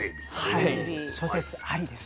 はい諸説ありです。